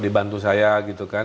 dibantu saya gitu kan